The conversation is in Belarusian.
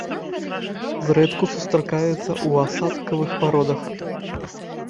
Зрэдку сустракаецца ў асадкавых пародах.